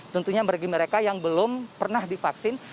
tentunya bagi mereka yang belum pernah divaksin